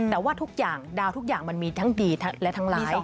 แต่ว่าทุกอย่างดาวทุกอย่างมันมีทั้งดีและทั้งร้าย